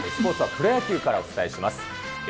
スポーツはプロ野球からお伝えします。